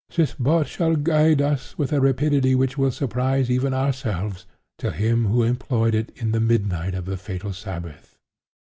This boat shall guide us, with a rapidity which will surprise even ourselves, to him who employed it in the midnight of the fatal Sabbath.